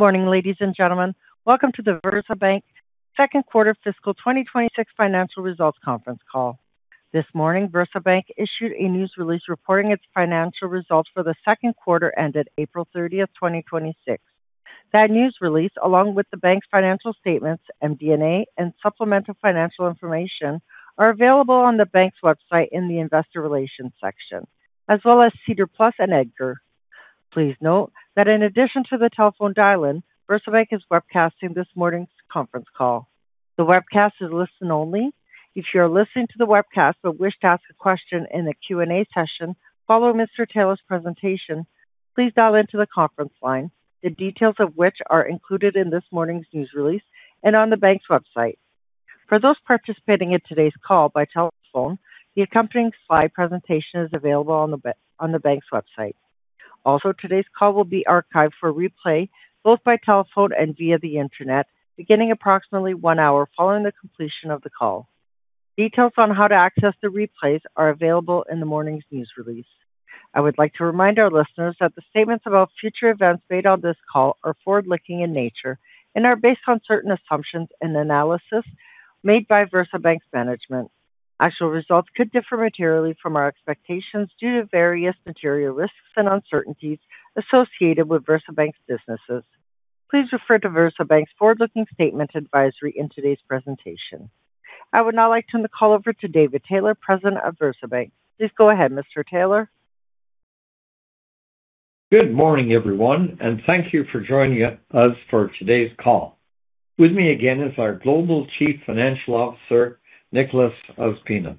Good morning, ladies and gentlemen. Welcome to the VersaBank second quarter fiscal 2026 financial results conference call. This morning, VersaBank issued a news release reporting its financial results for the second quarter ended April 30th, 2026. That news release, along with the bank's financial statements and MD&A and supplemental financial information are available on the bank's website in the investor relations section, as well as SEDAR+ and EDGAR. Please note that in addition to the telephone dial-in, VersaBank is webcasting this morning's conference call. The webcast is listen only. If you are listening to the webcast but wish to ask a question in the Q&A session following Mr. Taylor's presentation, please dial into the conference line, the details of which are included in this morning's news release and on the bank's website. For those participating in today's call by telephone, the accompanying slide presentation is available on the bank's website. Today's call will be archived for replay, both by telephone and via the Internet, beginning approximately one hour following the completion of the call. Details on how to access the replays are available in the morning's news release. I would like to remind our listeners that the statements about future events made on this call are forward-looking in nature and are based on certain assumptions and analysis made by VersaBank's management. Actual results could differ materially from our expectations due to various material risks and uncertainties associated with VersaBank's businesses. Please refer to VersaBank's forward-looking statement advisory in today's presentation. I would now like to turn the call over to David Taylor, President of VersaBank. Please go ahead, Mr. Taylor. Good morning, everyone, and thank you for joining us for today's call. With me again is our Global Chief Financial Officer, Nicolas Ospina.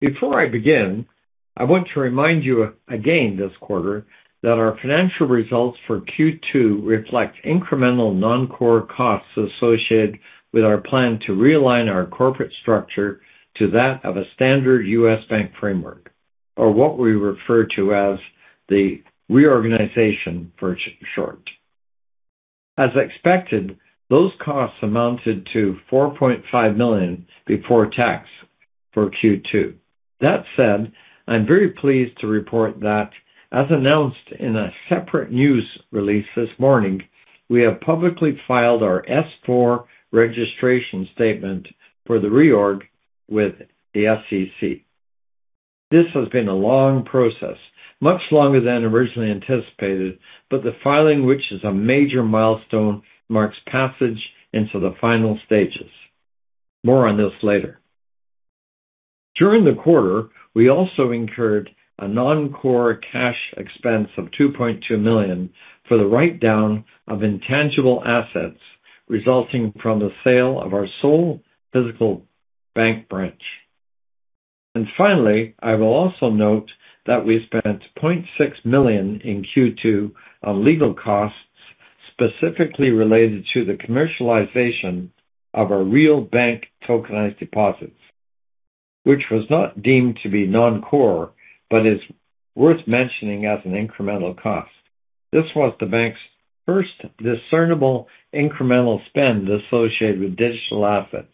Before I begin, I want to remind you again this quarter that our financial results for Q2 reflect incremental non-core costs associated with our plan to realign our corporate structure to that of a standard U.S. bank framework, or what we refer to as the reorganization for short. As expected, those costs amounted to 4.5 million before tax for Q2. That said, I'm very pleased to report that as announced in a separate news release this morning, we have publicly filed our S-4 registration statement for the reorg with the SEC. This has been a long process, much longer than originally anticipated, the filing, which is a major milestone, marks passage into the final stages. More on this later. During the quarter, we also incurred a non-core cash expense of 2.2 million for the write-down of intangible assets resulting from the sale of our sole physical bank branch. Finally, I will also note that we spent 0.6 million in Q2 on legal costs specifically related to the commercialization of our Real Bank tokenized deposits, which was not deemed to be non-core but is worth mentioning as an incremental cost. This was the bank's first discernible incremental spend associated with digital assets.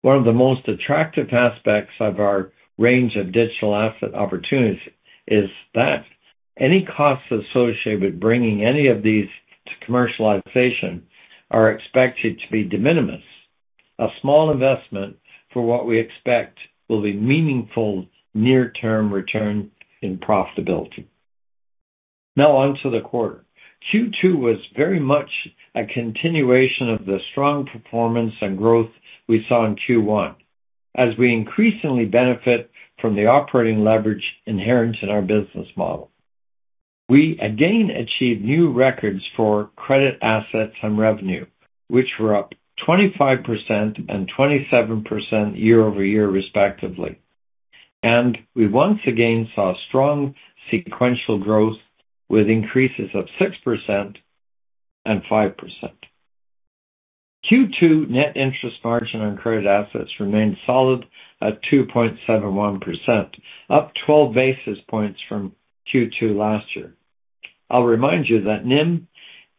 One of the most attractive aspects of our range of digital asset opportunities is that any costs associated with bringing any of these to commercialization are expected to be de minimis. A small investment for what we expect will be meaningful near-term return in profitability. Now on to the quarter. Q2 was very much a continuation of the strong performance and growth we saw in Q1 as we increasingly benefit from the operating leverage inherent in our business model. We again achieved new records for credit assets and revenue, which were up 25% and 27% year-over-year respectively. We once again saw strong sequential growth with increases of 6% and 5%. Q2 net interest margin on credit assets remained solid at 2.71%, up 12 basis points from Q2 last year. I'll remind you that NIM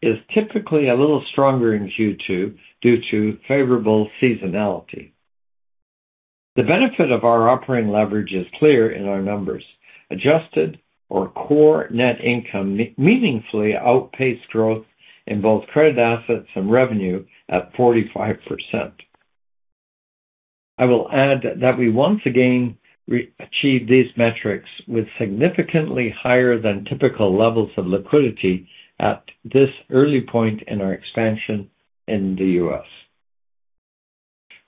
is typically a little stronger in Q2 due to favorable seasonality. The benefit of our operating leverage is clear in our numbers. Adjusted or core net income meaningfully outpaced growth in both credit assets and revenue at 45%. I will add that we once again achieved these metrics with significantly higher than typical levels of liquidity at this early point in our expansion in the U.S.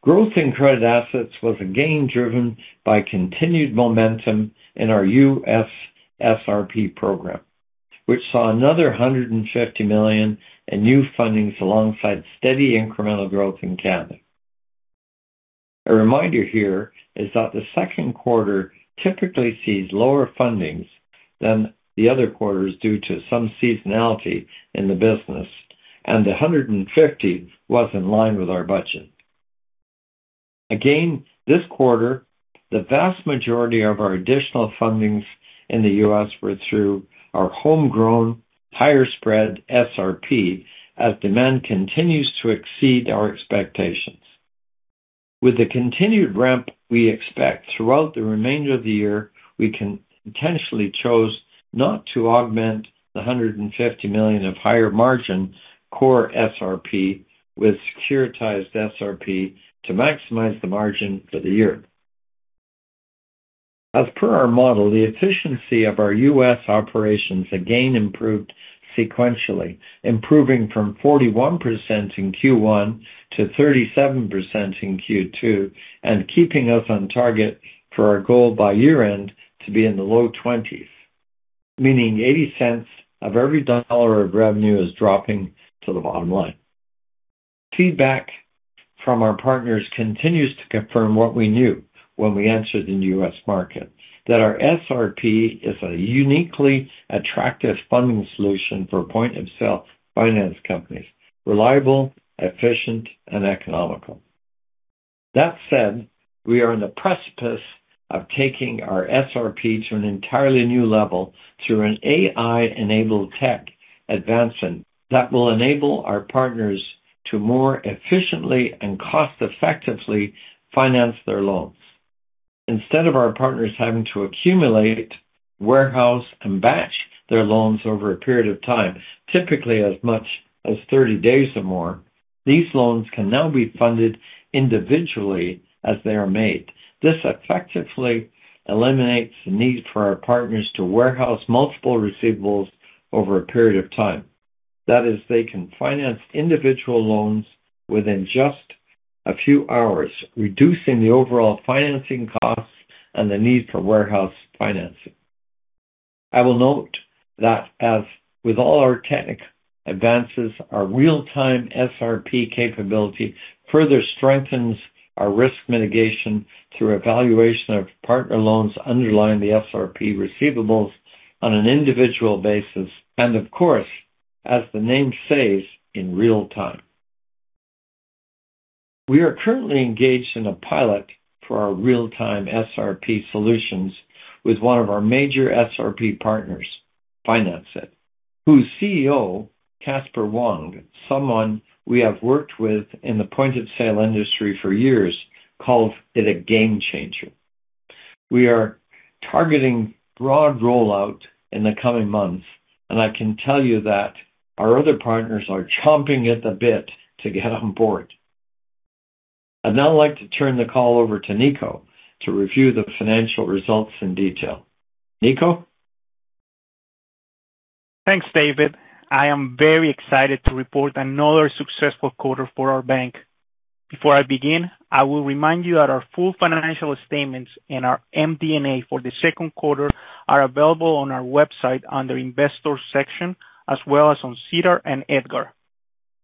Growth in credit assets was again driven by continued momentum in our U.S. SRP program, which saw another 150 million in new fundings alongside steady incremental growth in Canada. A reminder here is that the second quarter typically sees lower fundings than the other quarters due to some seasonality in the business, and the 150 was in line with our budget. Again, this quarter, the vast majority of our additional fundings in the U.S. were through our homegrown higher spread SRP as demand continues to exceed our expectations. With the continued ramp we expect throughout the remainder of the year, we intentionally chose not to augment the 150 million of higher margin core SRP with securitized SRP to maximize the margin for the year. As per our model, the efficiency of our U.S. operations again improved sequentially, improving from 41% in Q1 to 37% in Q2, and keeping us on target for our goal by year-end to be in the low 20s, meaning 0.80 of every dollar of revenue is dropping to the bottom line. Feedback from our partners continues to confirm what we knew when we entered the U.S. market, that our SRP is a uniquely attractive funding solution for point-of-sale finance companies, reliable, efficient, and economical. That said, we are on the precipice of taking our SRP to an entirely new level through an AI-enabled tech advancement that will enable our partners to more efficiently and cost-effectively finance their loans. Instead of our partners having to accumulate, warehouse, and batch their loans over a period of time, typically as much as 30 days or more, these loans can now be funded individually as they are made. This effectively eliminates the need for our partners to warehouse multiple receivables over a period of time. That is, they can finance individual loans within just a few hours, reducing the overall financing costs and the need for warehouse financing. I will note that as with all our tech advances, our Real-Time SRP capability further strengthens our risk mitigation through evaluation of partner loans underlying the SRP receivables on an individual basis, and of course, as the name says, in real time. We are currently engaged in a pilot for our Real-Time SRP solutions with one of our major SRP partners, Financeit, whose CEO, Casper Wong, someone we have worked with in the point-of-sale industry for years, called it a game changer. We are targeting broad rollout in the coming months. I can tell you that our other partners are chomping at the bit to get on board. I'd now like to turn the call over to Nico to review the financial results in detail. Nico? Thanks, David. I am very excited to report another successful quarter for our bank. Before I begin, I will remind you that our full financial statements and our MD&A for the second quarter are available on our website under Investors section, as well as on SEDAR and EDGAR.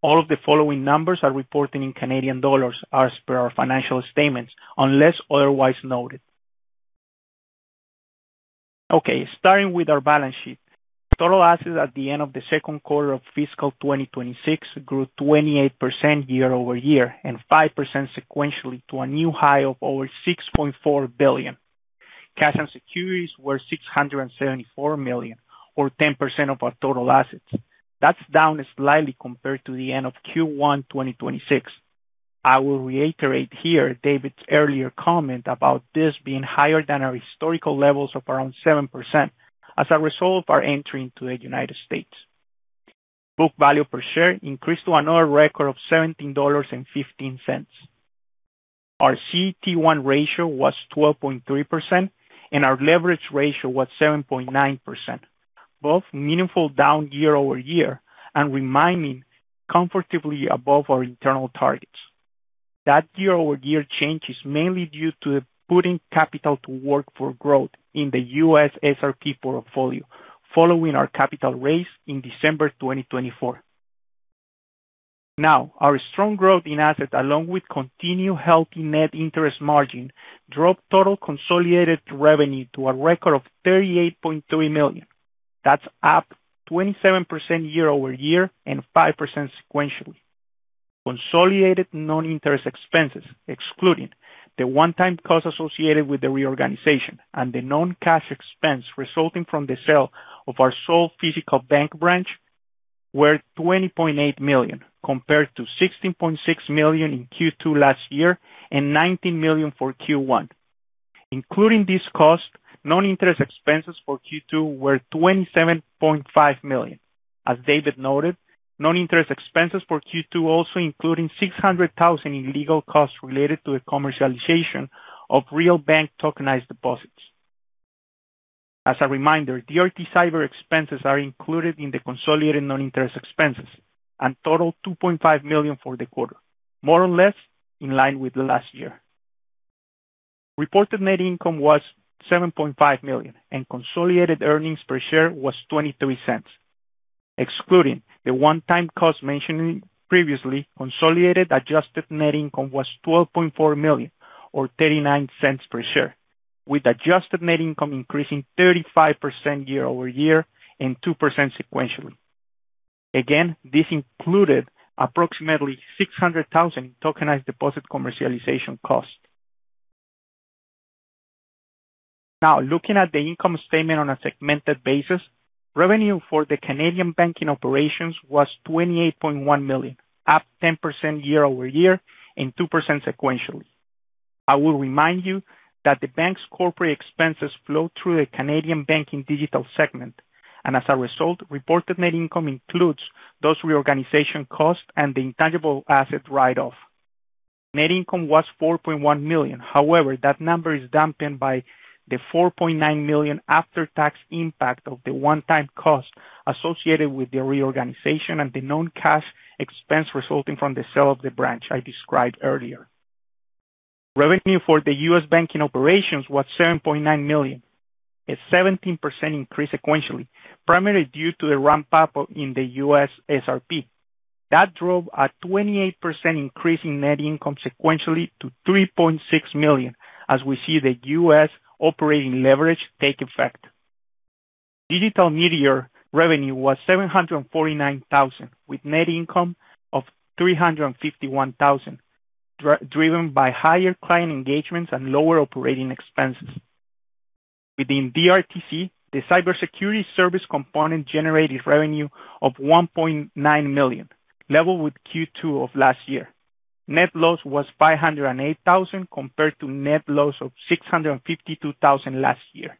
All of the following numbers are reported in Canadian Dollar as per our financial statements, unless otherwise noted. Starting with our balance sheet. Total assets at the end of the second quarter of fiscal 2026 grew 28% year-over-year, and 5% sequentially to a new high of over 6.4 billion. Cash and securities were 674 million or 10% of our total assets. That's down slightly compared to the end of Q1 2026. I will reiterate here David's earlier comment about this being higher than our historical levels of around 7% as a result of our entry into the United States. Book value per share increased to another record of 17.15 dollars. Our CET1 ratio was 12.3% and our leverage ratio was 7.9%, both meaningful down year-over-year and remaining comfortably above our internal targets. That year-over-year change is mainly due to putting capital to work for growth in the US SRP portfolio following our capital raise in December 2024. Our strong growth in assets, along with continued healthy net interest margin, drove total consolidated revenue to a record of 38.3 million. That's up 27% year-over-year, and 5% sequentially. Consolidated non-interest expenses, excluding the one-time costs associated with the reorganization and the non-cash expense resulting from the sale of our sole physical bank branch, were 20.8 million, compared to 16.6 million in Q2 last year and 19 million for Q1. Including these costs, non-interest expenses for Q2 were 27.5 million. As David noted, non-interest expenses for Q2 also including 600,000 in legal costs related to the commercialization of Real Bank tokenized deposits. As a reminder, DRT Cyber expenses are included in the consolidated non-interest expenses and total 2.5 million for the quarter, more or less in line with the last year. Reported net income was 7.5 million, and consolidated earnings per share was 0.23. Excluding the one-time cost mentioned previously, consolidated adjusted net income was 12.4 million or 0.39 per share, with adjusted net income increasing 35% year-over-year and 2% sequentially. Again, this included approximately 600,000 in tokenized deposit commercialization costs. Looking at the income statement on a segmented basis, revenue for the Canadian banking operations was 28.1 million, up 10% year-over-year and 2% sequentially. I will remind you that the bank's corporate expenses flow through the Canadian banking digital segment, as a result, reported net income includes those reorganization costs and the intangible asset write-off. Net income was 4.1 million. That number is dampened by the 4.9 million after-tax impact of the one-time cost associated with the reorganization and the non-cash expense resulting from the sale of the branch I described earlier. Revenue for the U.S. banking operations was 7.9 million, a 17% increase sequentially, primarily due to the ramp-up in the U.S. SRP. That drove a 28% increase in net income sequentially to 3.6 million as we see the U.S. operating leverage take effect. Digital media revenue was 749,000, with net income of 351,000, driven by higher client engagements and lower operating expenses. Within DRTC, the cybersecurity service component generated revenue of 1.9 million, level with Q2 of last year. Net loss was 508,000 compared to net loss of 652,000 last year.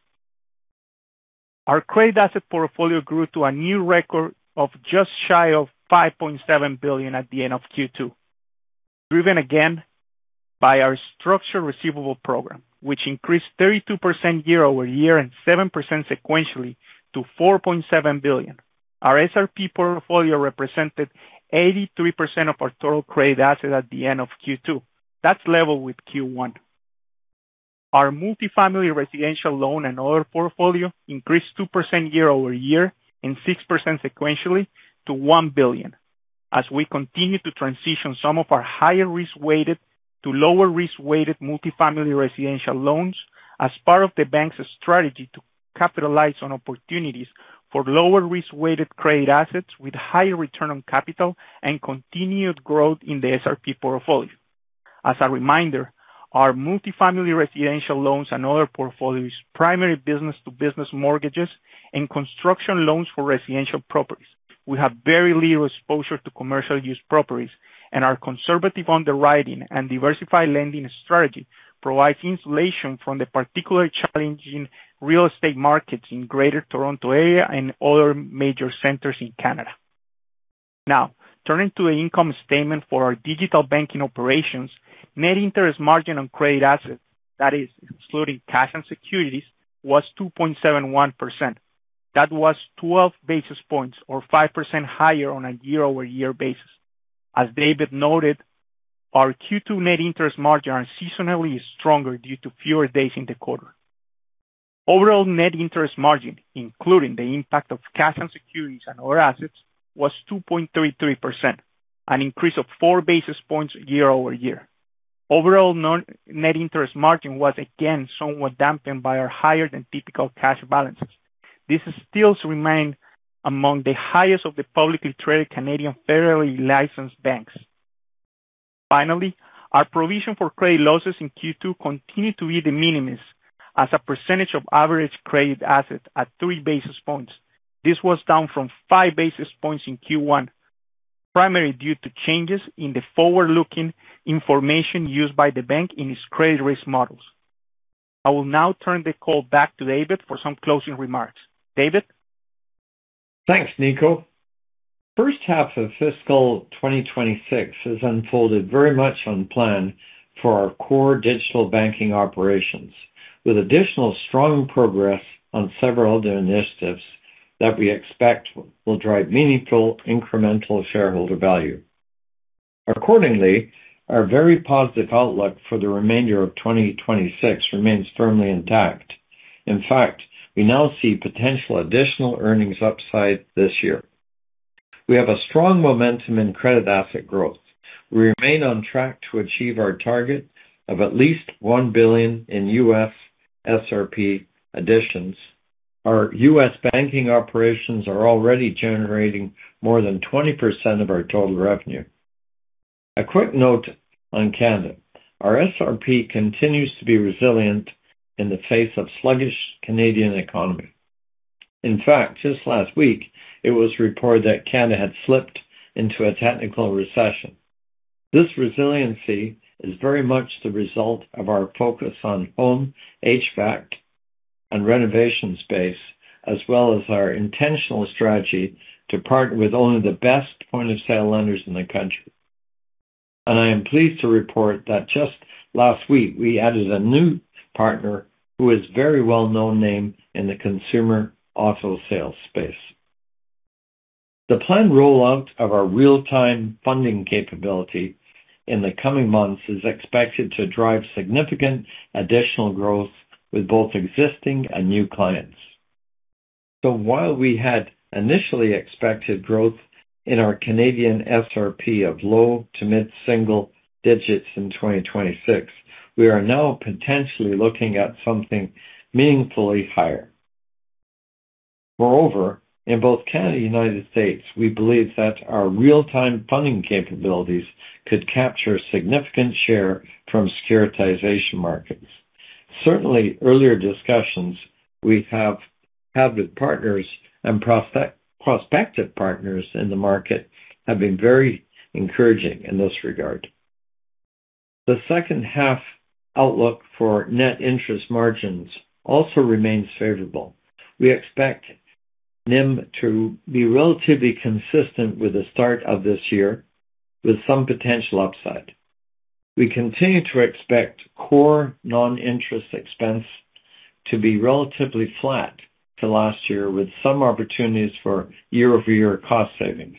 Our credit asset portfolio grew to a new record of just shy of 5.7 billion at the end of Q2, driven again by our structured receivable program, which increased 32% year-over-year and 7% sequentially to 4.7 billion. Our SRP portfolio represented 83% of our total credit asset at the end of Q2. That's level with Q1. Our multifamily residential loan and other portfolio increased 2% year-over-year and 6% sequentially to 1 billion as we continue to transition some of our higher risk-weighted to lower risk-weighted multifamily residential loans as part of the bank's strategy to capitalize on opportunities for lower risk-weighted credit assets with higher return on capital and continued growth in the SRP portfolio. As a reminder, our multifamily residential loans and other portfolio's primary business to business mortgages and construction loans for residential properties. We have very little exposure to commercial use properties and our conservative underwriting and diversified lending strategy provides insulation from the particularly challenging real estate markets in Greater Toronto Area and other major centers in Canada. Turning to the income statement for our digital banking operations, net interest margin on credit assets, that is excluding cash and securities, was 2.71%. That was 12 basis points or 5% higher on a year-over-year basis. As David noted, our Q2 net interest margin seasonally is stronger due to fewer days in the quarter. Overall net interest margin, including the impact of cash and securities and other assets, was 2.33%, an increase of four basis points year-over-year. Overall net interest margin was again somewhat dampened by our higher than typical cash balances. This still remains among the highest of the publicly traded Canadian federally licensed banks. Our provision for credit losses in Q2 continued to be de minimis as a percentage of average credit assets at three basis points. This was down from five basis points in Q1, primarily due to changes in the forward-looking information used by the bank in its credit risk models. I will now turn the call back to David for some closing remarks. David? Thanks, Nico. First half of fiscal 2026 has unfolded very much on plan for our core digital banking operations, with additional strong progress on several other initiatives that we expect will drive meaningful incremental shareholder value. Accordingly, our very positive outlook for the remainder of 2026 remains firmly intact. We now see potential additional earnings upside this year. We have a strong momentum in credit asset growth. We remain on track to achieve our target of at least 1 billion in U.S. SRP additions. Our U.S. banking operations are already generating more than 20% of our total revenue. A quick note on Canada. Our SRP continues to be resilient in the face of sluggish Canadian economy. Just last week, it was reported that Canada had slipped into a technical recession. This resiliency is very much the result of our focus on home, HVAC, and renovation space, as well as our intentional strategy to partner with only the best point-of-sale lenders in the country. I am pleased to report that just last week, we added a new partner who is very well-known name in the consumer auto sales space. The planned rollout of our real-time funding capability in the coming months is expected to drive significant additional growth with both existing and new clients. While we had initially expected growth in our Canadian SRP of low to mid-single digits in 2026, we are now potentially looking at something meaningfully higher. In both Canada and United States, we believe that our real-time funding capabilities could capture significant share from securitization markets. Certainly, earlier discussions we have had with partners and prospective partners in the market have been very encouraging in this regard. The second half outlook for net interest margins also remains favorable. We expect NIM to be relatively consistent with the start of this year, with some potential upside. We continue to expect core non-interest expense to be relatively flat to last year with some opportunities for year-over-year cost savings.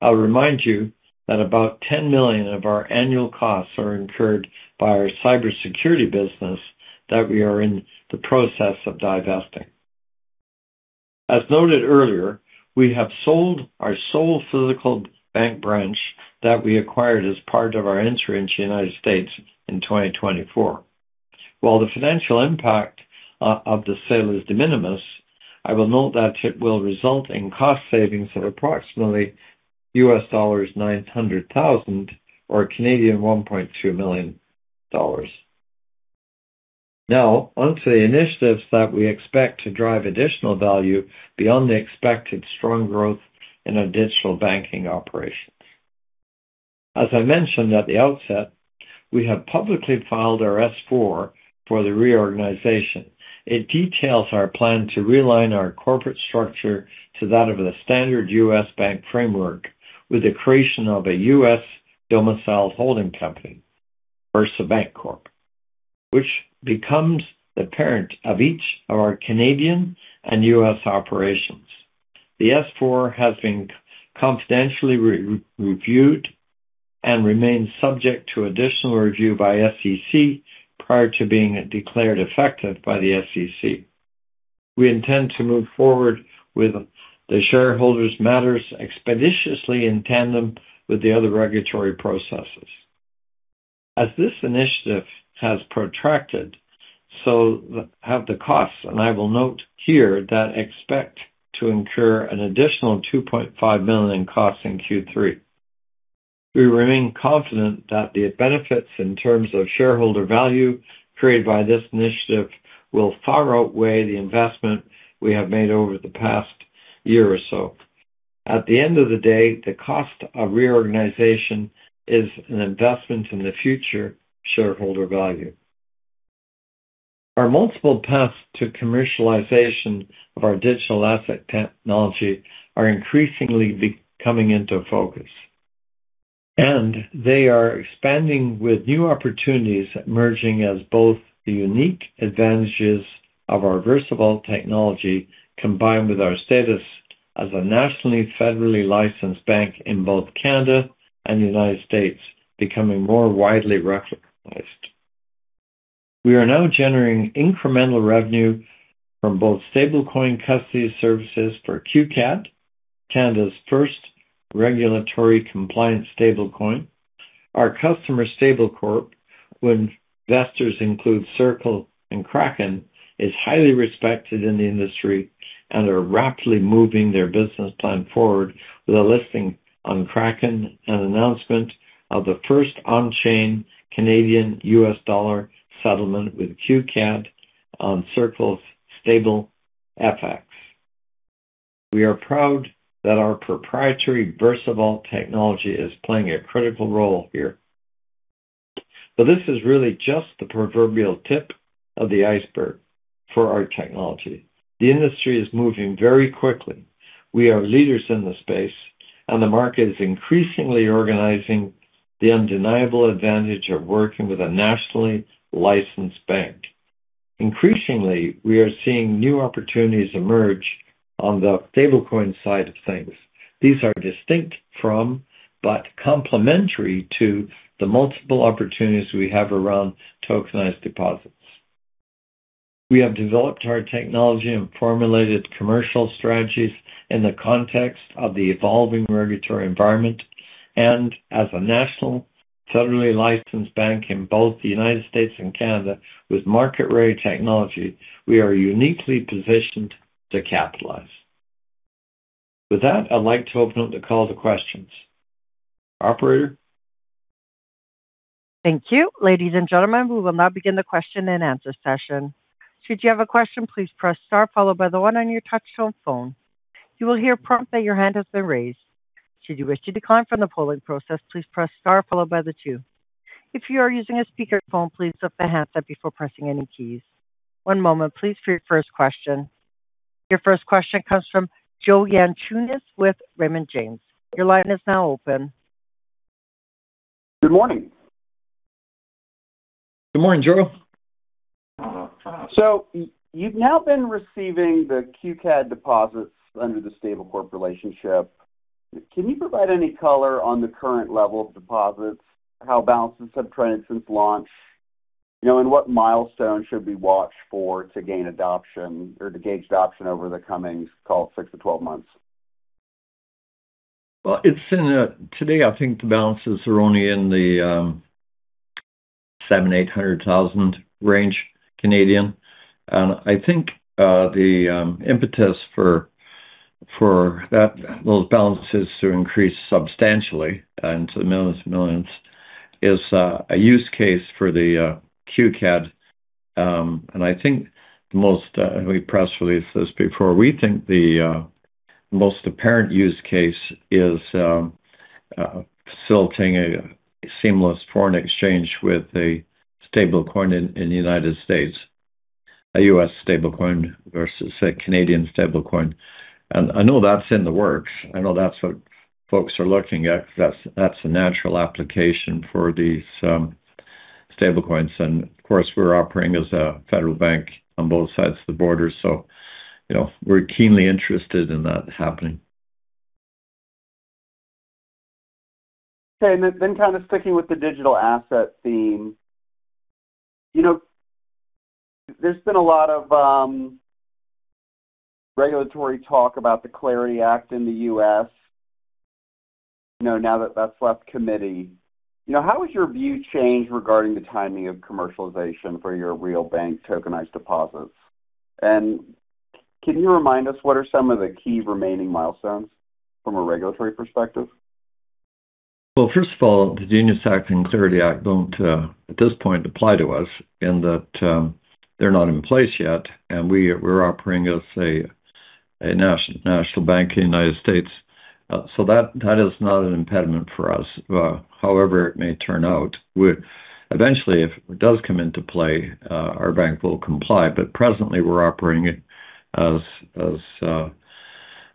I'll remind you that about 10 million of our annual costs are incurred by our cybersecurity business that we are in the process of divesting. As noted earlier, we have sold our sole physical bank branch that we acquired as part of our entry into the U.S. in 2024. While the financial impact of the sale is de minimis, I will note that it will result in cost savings of approximately US dollars $900,000 or CAD 1.2 million. On to the initiatives that we expect to drive additional value beyond the expected strong growth in our digital banking operations. As I mentioned at the outset, we have publicly filed our S-4 for the reorganization. It details our plan to realign our corporate structure to that of the standard U.S. bank framework with the creation of a U.S. domiciled holding company, VersaBancorp, which becomes the parent of each of our Canadian and U.S. operations. The S-4 has been confidentially reviewed and remains subject to additional review by SEC prior to being declared effective by the SEC. We intend to move forward with the shareholders matters expeditiously in tandem with the other regulatory processes. As this initiative has protracted, so have the costs, and I will note here that expect to incur an additional 2.5 million in costs in Q3. We remain confident that the benefits in terms of shareholder value created by this initiative will far outweigh the investment we have made over the past year or so. At the end of the day, the cost of reorganization is an investment in the future shareholder value. Our multiple paths to commercialization of our digital asset technology are increasingly coming into focus, and they are expanding with new opportunities emerging as both the unique advantages of our VersaVault technology, combined with our status as a nationally federally licensed bank in both Canada and the United States becoming more widely recognized. We are now generating incremental revenue from both stablecoin custody services for QCAD, Canada's first regulatory compliant stablecoin. Our customer, Stablecorp, with investors include Circle and Kraken, is highly respected in the industry and are rapidly moving their business plan forward with a listing on Kraken and announcement of the first on-chain Canadian US dollar settlement with QCAD on Circle's StableFX. We are proud that our proprietary VersaVault technology is playing a critical role here. This is really just the proverbial tip of the iceberg for our technology. The industry is moving very quickly. We are leaders in the space, and the market is increasingly recognizing the undeniable advantage of working with a nationally licensed bank. Increasingly, we are seeing new opportunities emerge on the stablecoin side of things. These are distinct from, but complementary to the multiple opportunities we have around tokenized deposits. We have developed our technology and formulated commercial strategies in the context of the evolving regulatory environment, and as a national federally licensed bank in both the United States and Canada with market-ready technology, we are uniquely positioned to capitalize. With that, I'd like to open up the call to questions. Operator? Thank you. Ladies and gentlemen, we will now begin the question and answer session. Should you have a question, please press star followed by the one on your touchtone phone. You will hear a prompt that your hand has been raised. Should you wish to decline from the polling process, please press star followed by the two. If you are using a speakerphone, please lift the handset before pressing any keys. One moment please for your first question. Your first question comes from Joe Yanchunis with Raymond James. Your line is now open. Good morning. Good morning, Joe. You've now been receiving the QCAD deposits under the Stablecorp relationship. Can you provide any color on the current level of deposits, how balances have trended since launch? What milestone should we watch for to gain adoption or to gauge adoption over the coming, call it six to 12 months? Well, today I think the balances are only in the 700,000, 800,000 range Canadian. I think the impetus for those balances to increase substantially into the millions is a use case for the QCAD. I think most, and we press released this before, we think the most apparent use case is facilitating a seamless foreign exchange with a stablecoin in the U.S., a U.S. stablecoin versus a Canadian stablecoin. I know that's in the works. I know that's what folks are looking at, because that's a natural application for these stablecoins. Of course, we're operating as a federal bank on both sides of the border, we're keenly interested in that happening. Okay, and then kind of sticking with the digital asset theme. There's been a lot of regulatory talk about the CLARITY Act in the U.S. now that that's left committee. How has your view changed regarding the timing of commercialization for your Real Bank tokenized deposits? Can you remind us what are some of the key remaining milestones from a regulatory perspective? Well, first of all, the GENIUS Act and CLARITY Act don't, at this point, apply to us in that they're not in place yet, and we're operating as a national bank in the U.S. That is not an impediment for us. However, it may turn out. Eventually, if it does come into play, our bank will comply. Presently we're operating it as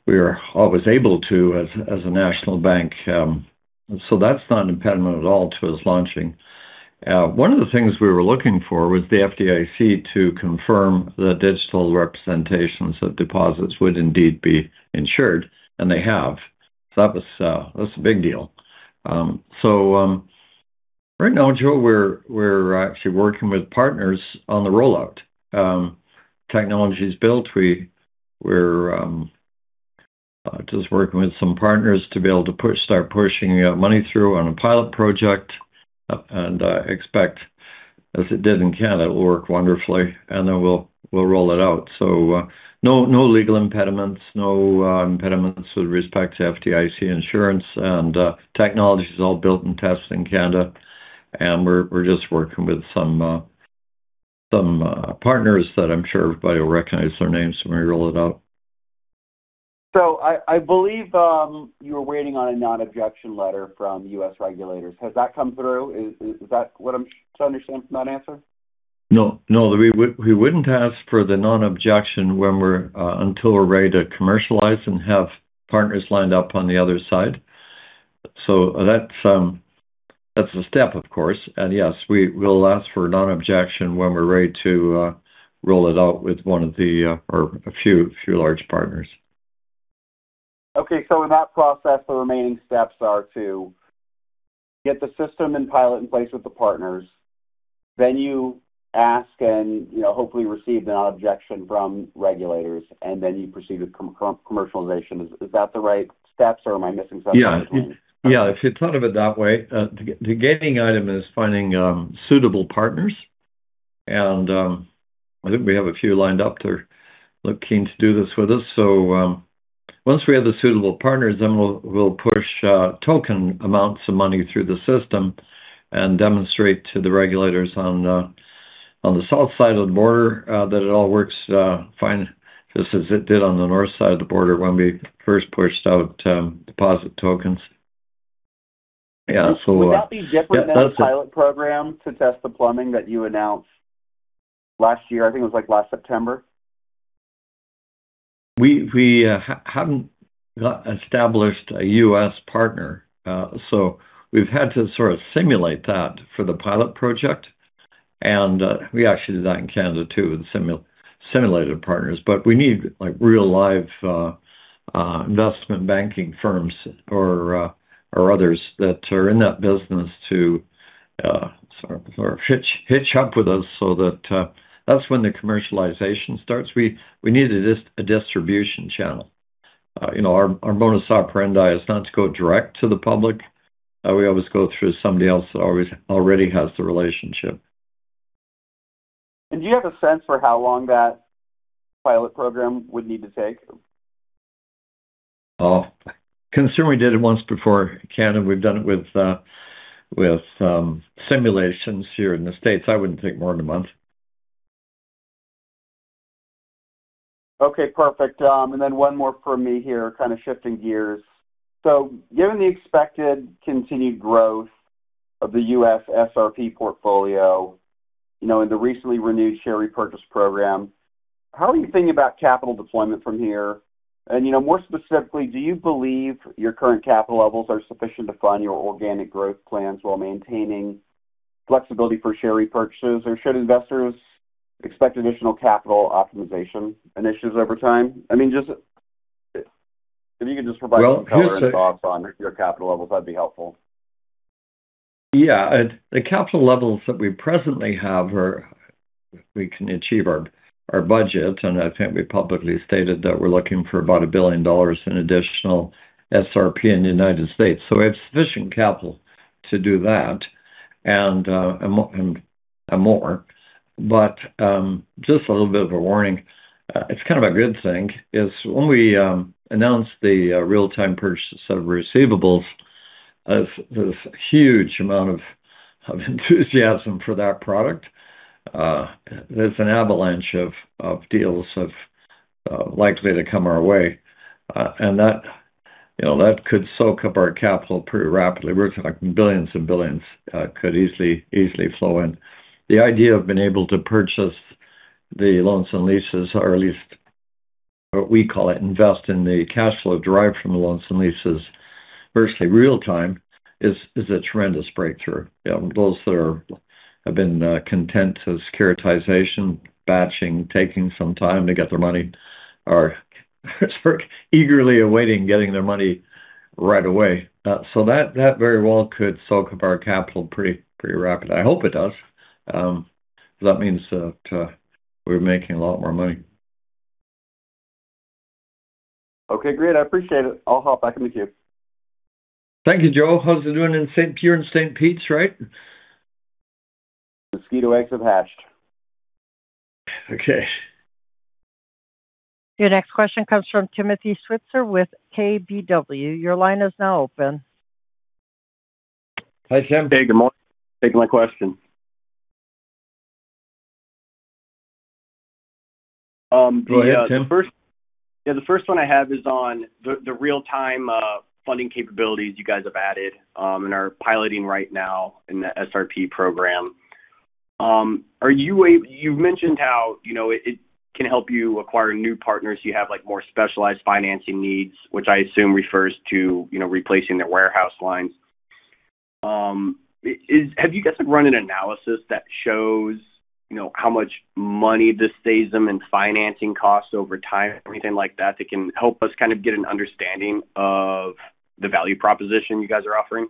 we are always able to as a national bank. That's not an impediment at all to us launching. One of the things we were looking for was the FDIC to confirm that digital representations of deposits would indeed be insured, and they have. That's a big deal. Right now, Joe, we're actually working with partners on the rollout. Technology's built, we're just working with some partners to be able to start pushing money through on a pilot project, and I expect, as it did in Canada, it will work wonderfully, and then we'll roll it out. No legal impediments, no impediments with respect to FDIC insurance, and technology's all built and tested in Canada. We're just working with some partners that I'm sure everybody will recognize their names when we roll it out. I believe you're waiting on a non-objection letter from U.S. regulators. Has that come through? Is that what I'm to understand from that answer? No. We wouldn't ask for the non-objection until we're ready to commercialize and have partners lined up on the other side. That's a step, of course. Yes, we'll ask for a non-objection when we're ready to roll it out with one of the, or a few large partners. Okay. In that process, the remaining steps are to get the system and pilot in place with the partners, then you ask and hopefully receive a non-objection from regulators, and then you proceed with commercialization. Is that the right steps or am I missing something in between? Yeah, if you thought of it that way. The gating item is finding suitable partners, and I think we have a few lined up. They're keen to do this with us. Once we have the suitable partners, then we'll push token amounts of money through the system and demonstrate to the regulators on the south side of the border that it all works fine, just as it did on the north side of the border when we first pushed out deposit tokens. Yeah. Would that be different than the pilot program to test the plumbing that you announced last year? I think it was last September. We hadn't established a U.S. partner, so we've had to sort of simulate that for the pilot project. We actually did that in Canada too, with simulated partners. We need real live investment banking firms or others that are in that business to hitch up with us, so that's when the commercialization starts. We need a distribution channel. Our modus operandi is not to go direct to the public. We always go through somebody else that already has the relationship. Do you have a sense for how long that pilot program would need to take? Considering we did it once before in Canada, we've done it with simulations here in the States. I wouldn't think more than a month. Okay, perfect. One more from me here, kind of shifting gears. Given the expected continued growth of the U.S. SRP portfolio, and the recently renewed share repurchase program, how are you thinking about capital deployment from here? More specifically, do you believe your current capital levels are sufficient to fund your organic growth plans while maintaining flexibility for share repurchases? Should investors expect additional capital optimization initiatives over time? If you could just provide some color and thoughts on your capital levels, that'd be helpful. Yeah. The capital levels that we presently have are we can achieve our budget. I think we publicly stated that we're looking for about $1 billion in additional SRP in the U.S. We have sufficient capital to do that and more. Just a little bit of a warning, it's kind of a good thing, is when we announced the real-time purchase of receivables, there's this huge amount of enthusiasm for that product. There's an avalanche of deals likely to come our way, and that could soak up our capital pretty rapidly. We're talking billions and billions could easily flow in. The idea of being able to purchase the loans and leases, or at least what we call it, invest in the cash flow derived from the loans and leases virtually real time is a tremendous breakthrough. Those that have been content to securitization, batching, taking some time to get their money are eagerly awaiting getting their money right away. That very well could soak up our capital pretty rapidly. I hope it does, because that means that we're making a lot more money. Okay, great. I appreciate it. I'll hop back in the queue. Thank you, Joe. How's it doing in St. Pete, right? Mosquito eggs have hatched. Okay. Your next question comes from Timothy Switzer with KBW. Your line is now open. Hi, Tim. Hey, good morning. Thanks for taking my question. Go ahead, Tim. Yeah, the first one I have is on the real-time funding capabilities you guys have added and are piloting right now in the SRP program. You've mentioned how it can help you acquire new partners who have more specialized financing needs, which I assume refers to replacing their warehouse lines. Have you guys run an analysis that shows how much money this saves them in financing costs over time, or anything like that can help us kind of get an understanding of the value proposition you guys are offering?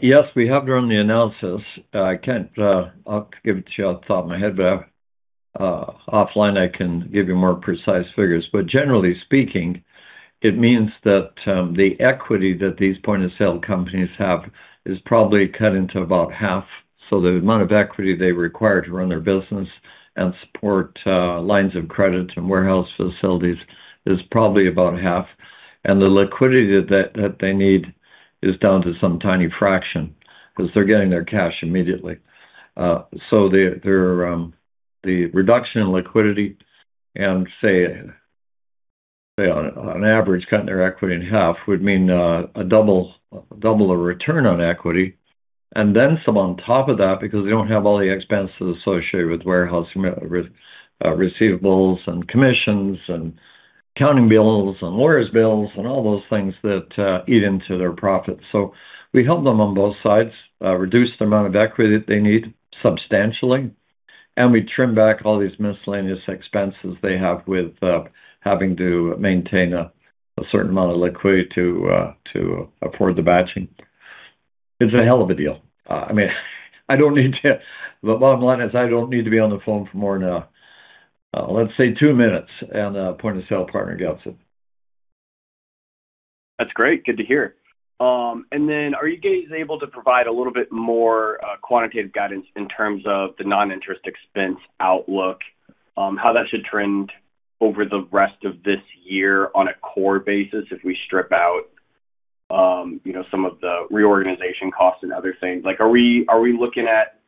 Yes, we have run the analysis. I can't give it to you off the top of my head. Offline, I can give you more precise figures. Generally speaking, it means that the equity that these point-of-sale companies have is probably cut into about half. The amount of equity they require to run their business and support lines of credit and warehouse facilities is probably about half. The liquidity that they need is down to some tiny fraction because they're getting their cash immediately. The reduction in liquidity and say, on average, cutting their equity in half would mean double the return on equity and then some on top of that, because they don't have all the expenses associated with warehousing receivables and commissions and accounting bills and lawyers' bills and all those things that eat into their profits. We help them on both sides, reduce the amount of equity that they need substantially, and we trim back all these miscellaneous expenses they have with having to maintain a certain amount of liquidity to afford the batching. It's a hell of a deal. The bottom line is I don't need to be on the phone for more than, let's say, two minutes, and a point-of-sale partner gets it. That's great. Good to hear. Are you guys able to provide a little bit more quantitative guidance in terms of the non-interest expense outlook, how that should trend over the rest of this year on a core basis if we strip out some of the reorganization costs and other things? Are we looking at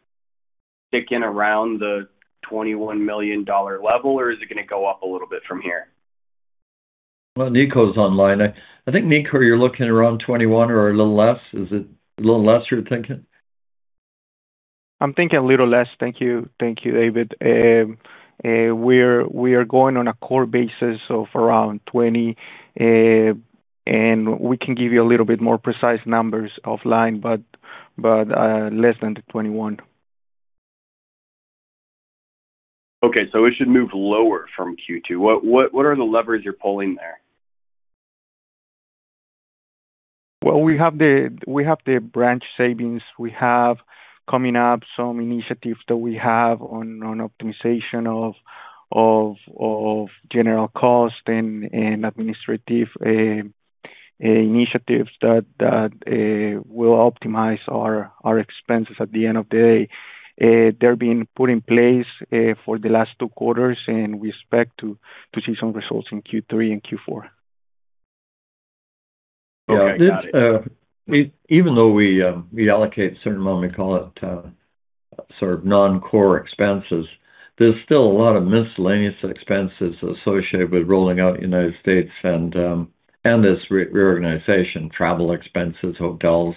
sticking around the 21 million dollar level, or is it going to go up a little bit from here? Well, Nico's online. I think, Nico, you're looking around 21 or a little less. Is it a little less you're thinking? I'm thinking a little less. Thank you, David. We are going on a core basis of around 20, and we can give you a little bit more precise numbers offline, but less than 21. Okay, it should move lower from Q2. What are the levers you're pulling there? Well, we have the branch savings. We have coming up some initiatives that we have on optimization of general cost and administrative initiatives that will optimize our expenses at the end of the day. They're being put in place for the last two quarters, and we expect to see some results in Q3 and Q4. Okay, got it. Even though we allocate a certain amount, we call it sort of non-core expenses, there's still a lot of miscellaneous expenses associated with rolling out U.S. and this reorganization, travel expenses, hotels,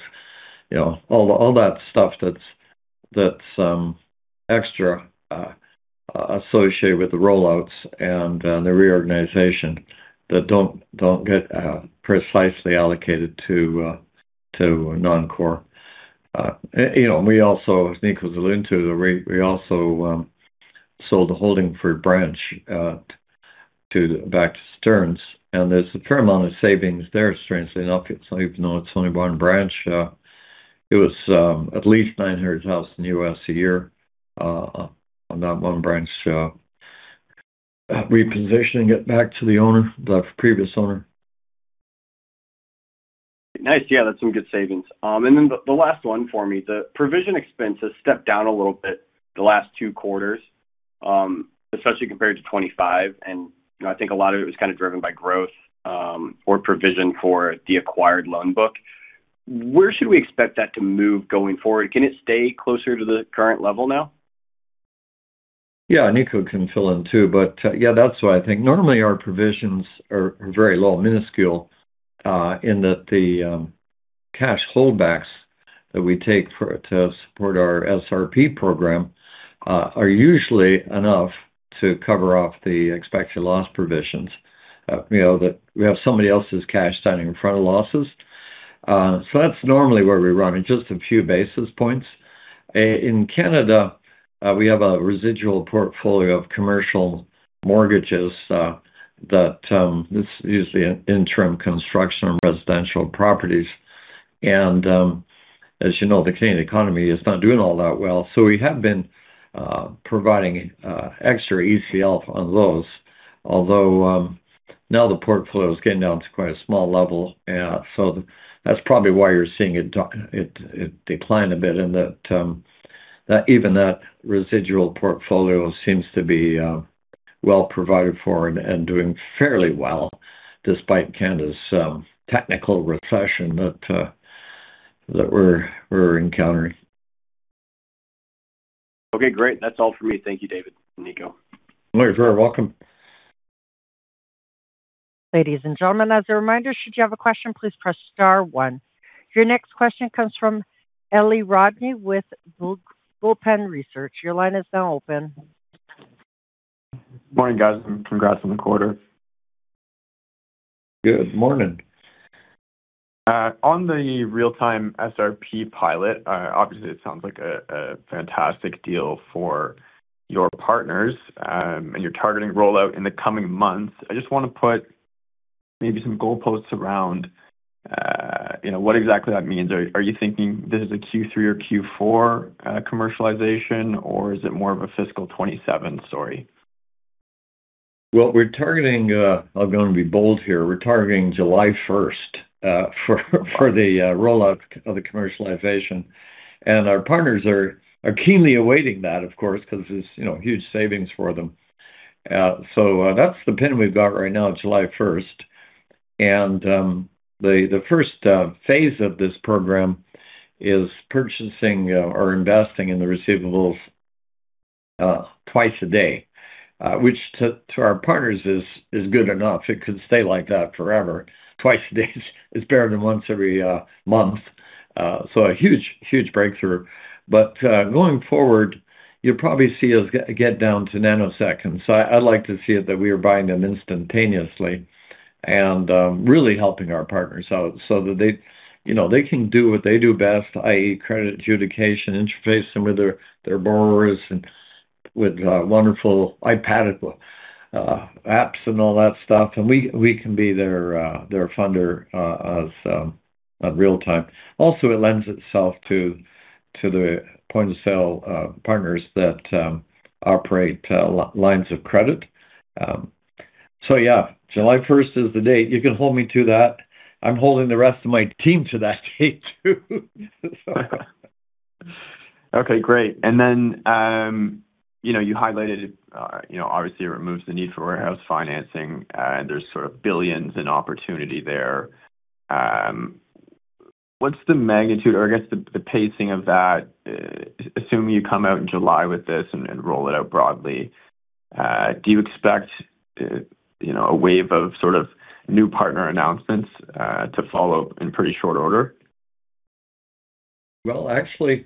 all that stuff that's extra associated with the rollouts and the reorganization that don't get precisely allocated to non-core. We also, as Nico was alluding to, we also sold a Holdingford branch back to Stearns. There's a fair amount of savings there, strangely enough, even though it's only one branch. It was at least $900,000 a year on that one branch. We repositioned it back to the previous owner. Nice. Yeah, that's some good savings. The last one for me, the provision expense has stepped down a little bit the last two quarters, especially compared to 2025. I think a lot of it was kind of driven by growth or provision for the acquired loan book. Where should we expect that to move going forward? Can it stay closer to the current level now? Nico can fill in too, that's what I think. Normally, our provisions are very low, minuscule, in that the cash holdbacks that we take to support our SRP program are usually enough to cover off the expected loss provisions. We have somebody else's cash standing in front of losses. That's normally where we run, in just a few basis points. In Canada, we have a residual portfolio of commercial mortgages that's usually an interim construction on residential properties. As you know, the Canadian economy is not doing all that well. We have been providing extra ECL on those, although now the portfolio is getting down to quite a small level. That's probably why you're seeing it decline a bit in that even that residual portfolio seems to be well provided for and doing fairly well despite Canada's technical recession that we're encountering. Great. That's all for me. Thank you, David and Nico. You're very welcome. Ladies and gentlemen, as a reminder, should you have a question, please press star one. Your next question comes from Eli Rodney with Bullpen Research. Your line is now open. Morning, guys, and congrats on the quarter. Good morning. On the Real-Time SRP pilot, obviously it sounds like a fantastic deal for your partners, and you're targeting rollout in the coming months. I just want to put maybe some goalposts around what exactly that means. Are you thinking this is a Q3 or Q4 commercialization, or is it more of a fiscal 2027 story? Well, we're targeting, I'm going to be bold here, we're targeting July 1st for the rollout of the commercialization. Our partners are keenly awaiting that, of course, because it's huge savings for them. That's the pin we've got right now, July 1st. The first phase of this program is purchasing or investing in the receivables twice a day, which to our partners is good enough. It could stay like that forever. Twice a day is better than once every month. A huge breakthrough. Going forward, you'll probably see us get down to nanoseconds. I'd like to see it that we are buying them instantaneously and really helping our partners out so that they can do what they do best, i.e., credit adjudication, interfacing with their borrowers, and with wonderful iPad apps and all that stuff. We can be their funder as a real time. Also, it lends itself to the point-of-sale partners that operate lines of credit. Yeah, July 1st is the date. You can hold me to that. I'm holding the rest of my team to that date, too. Okay, great. You highlighted, obviously it removes the need for warehouse financing, and there's sort of billions in opportunity there. What's the magnitude or I guess the pacing of that, assuming you come out in July with this and roll it out broadly, do you expect a wave of new partner announcements to follow in pretty short order? Well, actually,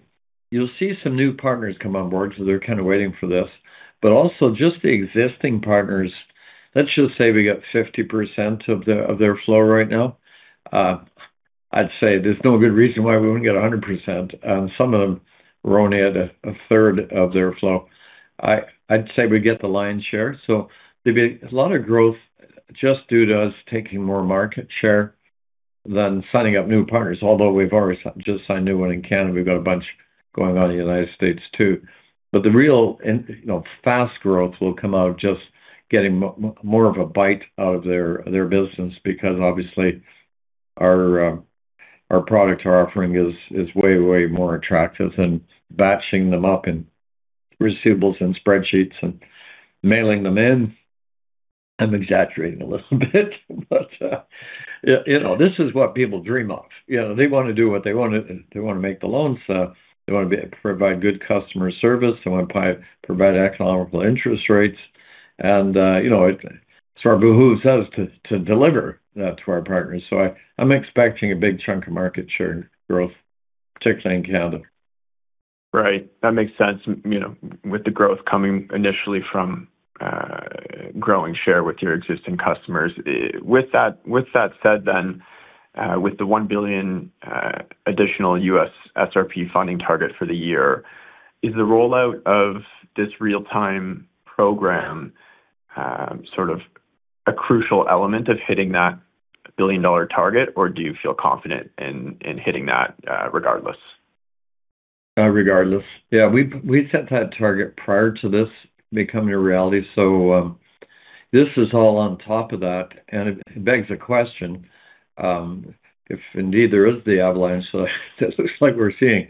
you'll see some new partners come on board because they're kind of waiting for this. Also just the existing partners. Let's just say we got 50% of their flow right now. I'd say there's no good reason why we wouldn't get 100%. Some of them run at a third of their flow. I'd say we get the lion's share. There'd be a lot of growth just due to us taking more market share than signing up new partners. Although we've already just signed a new one in Canada. We've got a bunch going on in the United States too. The real fast growth will come out of just getting more of a bite out of their business because obviously our product offering is way more attractive than batching them up in receivables and spreadsheets and mailing them in. I'm exaggerating a little bit, but this is what people dream of. They want to make the loans. They want to provide good customer service. They want to provide economical interest rates. It's our behooves us to deliver that to our partners. I'm expecting a big chunk of market share growth, particularly in Canada. Right. That makes sense. With the growth coming initially from growing share with your existing customers. With that said. With the 1 billion additional U.S. SRP funding target for the year, is the rollout of this real-time program sort of a crucial element of hitting that billion-dollar target, or do you feel confident in hitting that regardless? Regardless. Yeah. We set that target prior to this becoming a reality, so this is all on top of that, and it begs a question, if indeed there is the avalanche like we're seeing.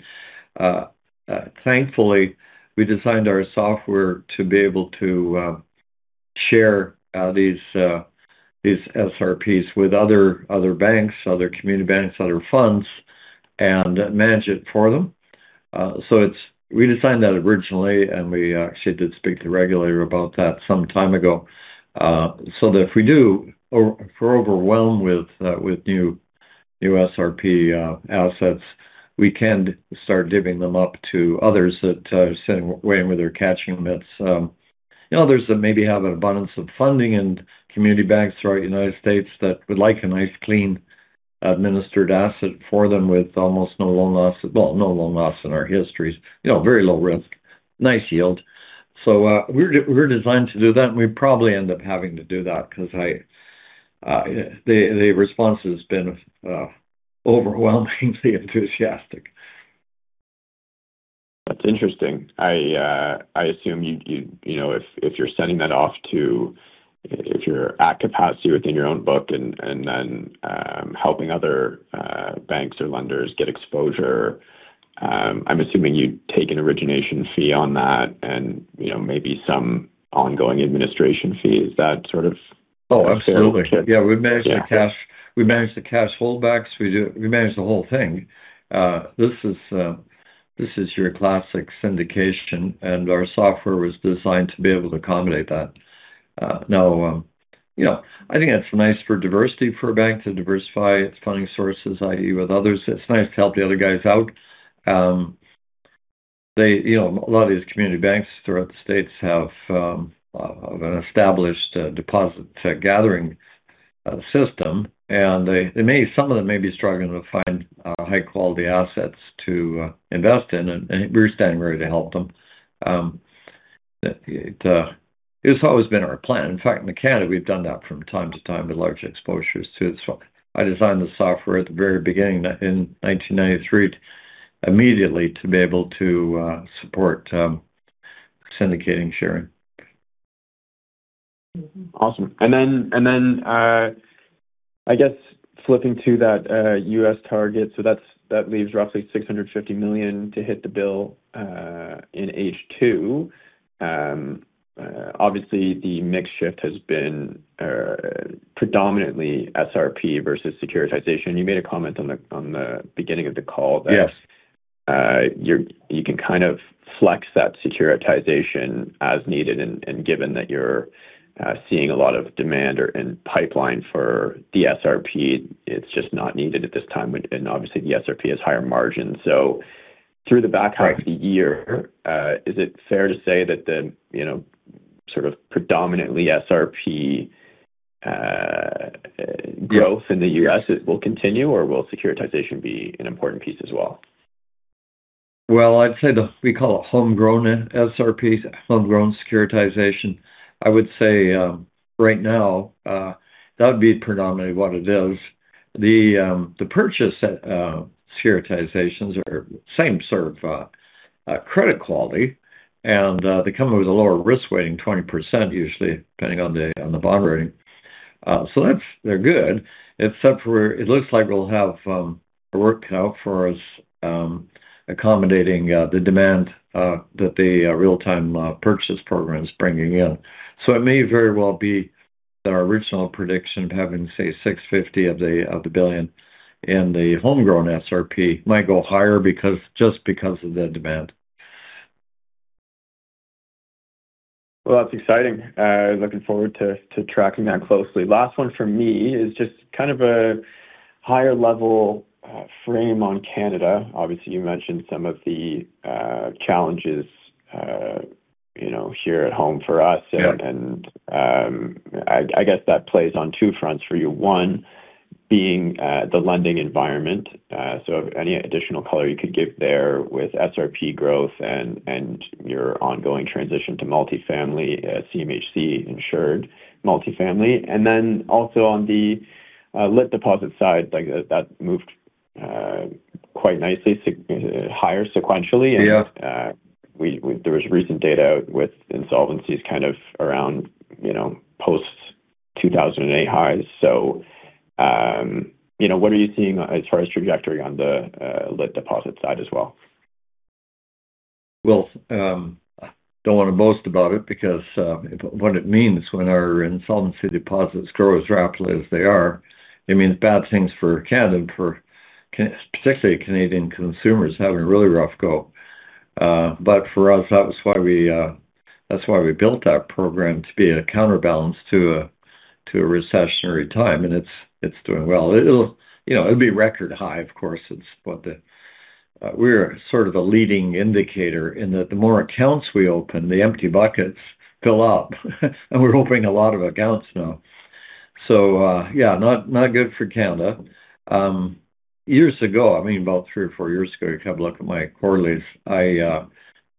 Thankfully, we designed our software to be able to share these SRPs with other banks, other community banks, other funds, and manage it for them. We designed that originally, and we actually did speak to the regulator about that some time ago, so that if we're overwhelmed with new SRP assets, we can start giving them up to others that are sitting, waiting with their catching mitts. Others that maybe have an abundance of funding and community banks throughout United States that would like a nice, clean, administered asset for them with almost no loan loss. Well, no loan loss in our histories. Very low risk, nice yield. We're designed to do that, and we'd probably end up having to do that because the response has been overwhelmingly enthusiastic. That's interesting. I assume if you're at capacity within your own book and then helping other banks or lenders get exposure, I'm assuming you'd take an origination fee on that and maybe some ongoing administration fee. Is that sort of- Oh, absolutely. Yeah. Fair to- We manage the cash holdbacks. We manage the whole thing. This is your classic syndication, and our software was designed to be able to accommodate that. I think it's nice for diversity for a bank to diversify its funding sources, i.e., with others. It's nice to help the other guys out. A lot of these community banks throughout the U.S. have an established deposit gathering system, and some of them may be struggling to find high-quality assets to invest in, and we're standing ready to help them. It's always been our plan. In fact, in Canada, we've done that from time to time with large exposures too. I designed the software at the very beginning, in 1993, immediately to be able to support syndicating sharing. Awesome. I guess flipping to that U.S. target. That leaves roughly 650 million to hit the bill in H2. Obviously, the mix shift has been predominantly SRP versus securitization. You made a comment on the beginning of the call that. Yes You can kind of flex that securitization as needed, given that you're seeing a lot of demand or in pipeline for the SRP, it's just not needed at this time. Obviously, the SRP has higher margins. Through the back half of the year, is it fair to say that the sort of predominantly SRP growth in the U.S., it will continue, or will securitization be an important piece as well? Well, I'd say we call it homegrown SRP, homegrown securitization. I would say right now, that would be predominantly what it is. The purchase securitizations are same sort of credit quality, and they come with a lower risk weighting, 20% usually, depending on the bond rating. They're good except for it looks like it'll have work cut out for us accommodating the demand that the real-time purchase program is bringing in. It may very well be that our original prediction of having, say, 650 of the billion in the homegrown SRP might go higher just because of the demand. Well, that's exciting. Looking forward to tracking that closely. Last one from me is just kind of a higher-level frame on Canada. Obviously, you mentioned some of the challenges here at home for us. Yeah. I guess that plays on two fronts for you. One being the lending environment. Any additional color you could give there with SRP growth and your ongoing transition to multifamily, CMHC-insured multifamily. Then also on the LIT deposit side, that moved quite nicely, higher sequentially. Yeah. There was recent data out with insolvencies kind of around post-2008 highs. What are you seeing as far as trajectory on the LIT deposit side as well? Well, I don't want to boast about it because what it means when our insolvency deposits grow as rapidly as they are, it means bad things for Canada, and for particularly Canadian consumers having a really rough go. For us, that's why we built that program to be a counterbalance to a recessionary time, and it's doing well. It'll be record high, of course. We're sort of a leading indicator in that the more accounts we open, the empty buckets fill up. We're opening a lot of accounts now. Yeah, not good for Canada. Years ago, about three or four years ago, you have a look at my quarterlies, I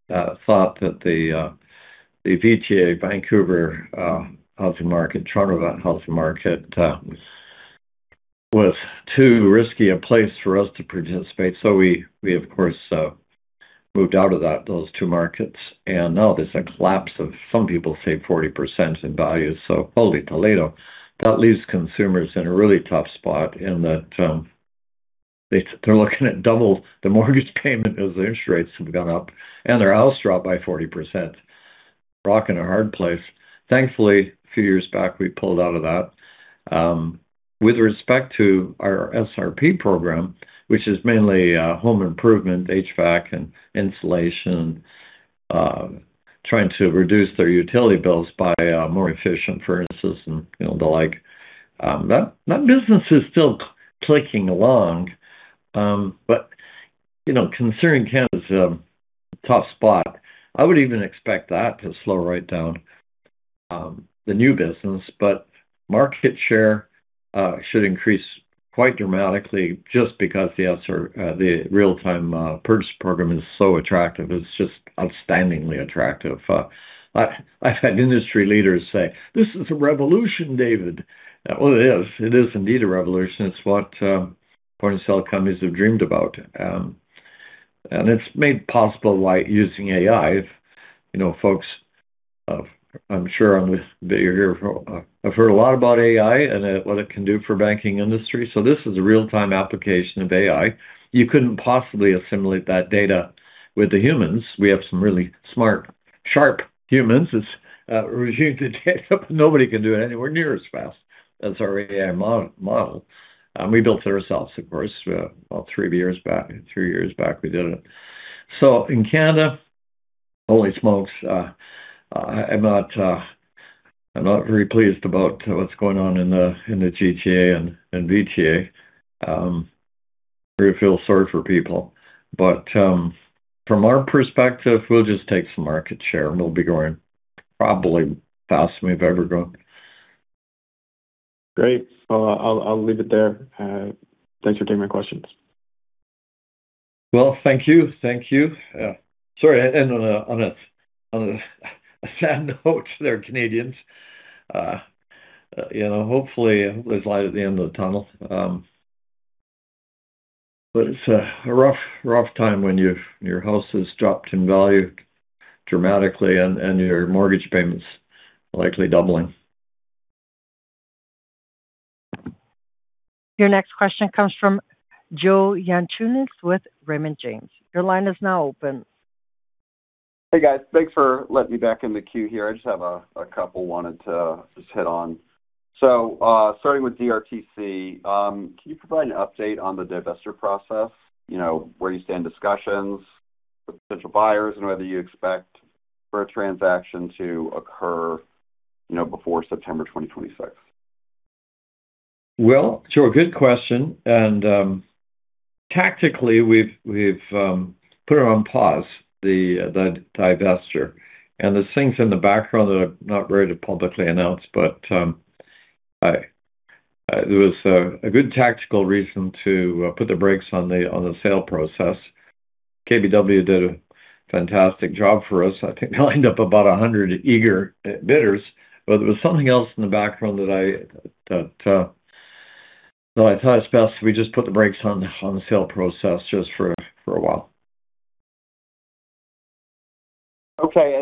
thought that the GVA Vancouver housing market, Toronto housing market was too risky a place for us to participate. We, of course, moved out of those two markets, and now there's a collapse of, some people say 40% in value, holy Toledo. That leaves consumers in a really tough spot in that they're looking at double the mortgage payment as the interest rates have gone up and their house dropped by 40%. Rock and a hard place. Thankfully, a few years back, we pulled out of that. With respect to our SRP program, which is mainly home improvement, HVAC, and insulation, trying to reduce their utility bills by more efficient furnaces and the like. That business is still clicking along. Considering Canada's in a tough spot, I would even expect that to slow right down, the new business. Market share should increase quite dramatically just because the Real-Time SRP is so attractive. It's just outstandingly attractive. I've had industry leaders say, "This is a revolution, David." Well, it is. It is indeed a revolution. It's what point-of-sale companies have dreamed about. It's made possible by using AI. Folks, I'm sure that you here have heard a lot about AI and what it can do for banking industry. This is a real-time application of AI. You couldn't possibly assimilate that data with the humans. We have some really smart, sharp humans that's reviewed the data, but nobody can do it anywhere near as fast as our AI model. We built it ourselves, of course, about three years back. Three years back, we did it. In Canada, holy smokes, I'm not very pleased about what's going on in the GTA and GVA. Really feel sorry for people. From our perspective, we'll just take some market share, and we'll be going probably fast than we've ever gone. Great. Well, I'll leave it there. Thanks for taking my questions. Well, thank you. Sorry, I ended on a sad note there, Canadians. Hopefully, there's light at the end of the tunnel. It's a rough time when your house has dropped in value dramatically and your mortgage payment's likely doubling. Your next question comes from Joseph Yanchunis with Raymond James. Your line is now open. Hey, guys. Thanks for letting me back in the queue here. I just have a couple wanted to just hit on. Starting with DRTC, can you provide an update on the [divestiture] process? Where you stand discussions with potential buyers and whether you expect for a transaction to occur before September 2026? Well, Joe, good question. Tactically, we've put it on pause, the divestiture. There's things in the background that I'm not ready to publicly announce, but there was a good tactical reason to put the brakes on the sale process. KBW did a fantastic job for us. I think they lined up about 100 eager bidders, but there was something else in the background that I thought it's best if we just put the brakes on the sale process just for a while. Okay.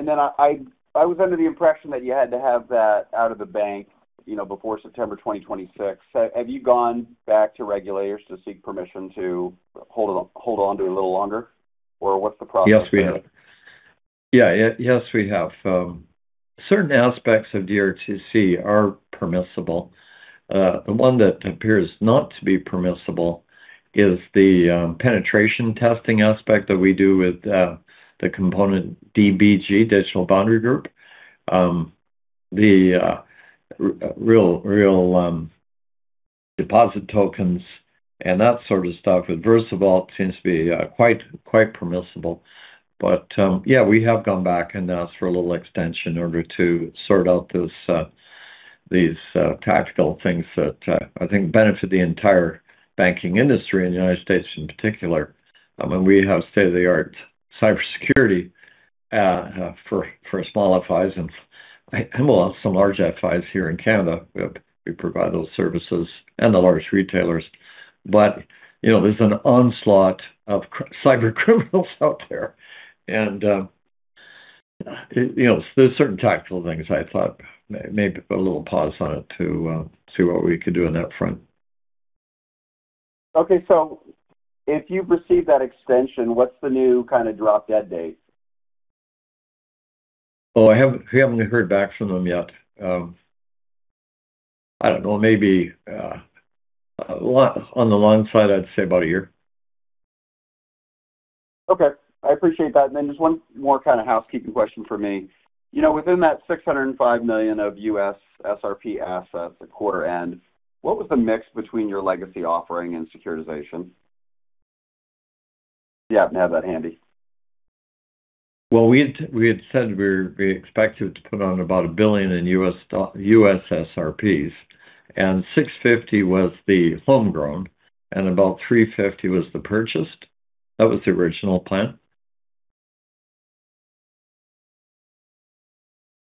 I was under the impression that you had to have that out of the bank before September 2026. Have you gone back to regulators to seek permission to hold onto it a little longer, or what's the process there? Yes, we have. Certain aspects of DRTC are permissible. The one that appears not to be permissible is the penetration testing aspect that we do with the component DBG, Digital Boundary Group. The Real Bank tokenized deposits and that sort of stuff with VersaVault seems to be quite permissible. Yeah, we have gone back and asked for a little extension in order to sort out these tactical things that I think benefit the entire banking industry in the U.S. in particular. I mean, we have state-of-the-art cybersecurity for small FIs and some large FIs here in Canada. We provide those services and the large retailers. There's an onslaught of cybercriminals out there. There's certain tactical things I thought maybe put a little pause on it to see what we could do on that front. Okay, if you've received that extension, what's the new drop-dead date? Well, we haven't heard back from them yet. I don't know, maybe on the long side, I'd say about a year. Okay. I appreciate that. Just one more kind of housekeeping question for me. Within that $605 million of U.S. SRP assets at quarter end, what was the mix between your legacy offering and securitization? If you happen to have that handy. Well, we had said we expected to put on about $1 billion in U.S. SRPs, and 650 million was the homegrown and about 350 million was the purchased. That was the original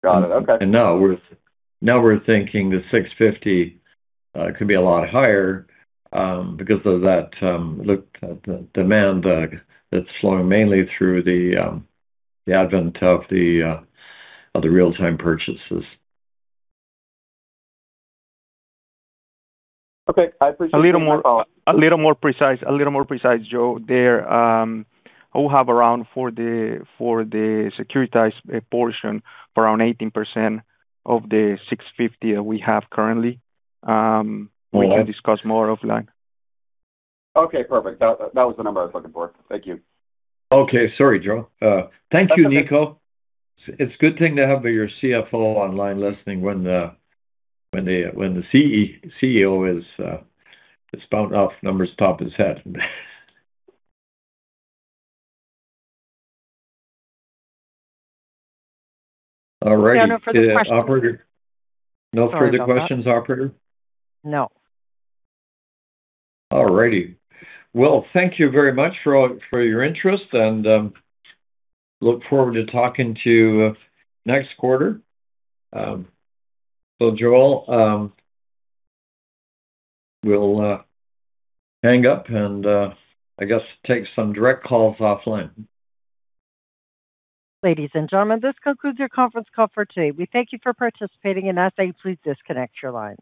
plan. Got it. Okay. Now we're thinking the 650 could be a lot higher because of that demand that's flowing mainly through the advent of the real-time purchases. Okay. I appreciate that. A little more precise, Joe. There, we have around, for the securitized portion, around 18% of the 650 that we have currently. Okay. We can discuss more offline. Okay, perfect. That was the number I was looking for. Thank you. Okay. Sorry, Joe. Thank you, Nico. It's a good thing to have your CFO online listening when the CEO is spouting off numbers top of his head. All righty. There are no further questions. Operator? No further questions, operator? No. All righty. Well, thank you very much for your interest, and look forward to talking to you next quarter. Joe, we'll hang up and I guess take some direct calls offline. Ladies and gentlemen, this concludes your conference call for today. We thank you for participating and ask that you please disconnect your lines.